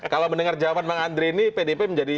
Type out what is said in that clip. kalau mendengar jawaban bang andre ini pdip menjadi